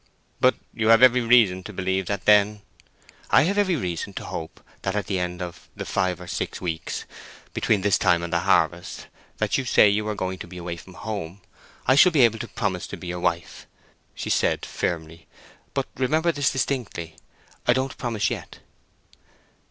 "But you have every reason to believe that then—" "I have every reason to hope that at the end of the five or six weeks, between this time and harvest, that you say you are going to be away from home, I shall be able to promise to be your wife," she said, firmly. "But remember this distinctly, I don't promise yet."